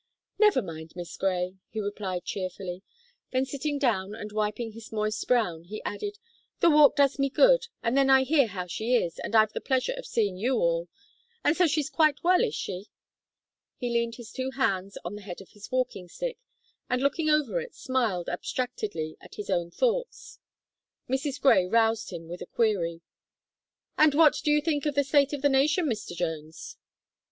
"Never mind, Miss Gray," he replied cheerfully; then sitting down, and wiping his moist brow, he added "the walk does me good, and then I hear how she is, and I've the pleasure of seeing you all. And so she's quite well, is she?" He leaned his two hands on the head of his walking stick, and looking over it, smiled abstractedly at his own thoughts. Mrs. Gray roused him with the query "And what do you think of the state of the nation, Mr. Jones?"